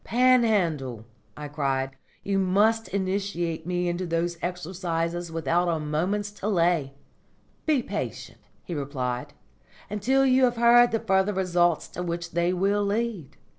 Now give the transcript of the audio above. "Panhandle," I cried, "you must initiate me into those exercises without a moment's delay." "Be patient," he replied, "until you have heard the further results to which they will lead.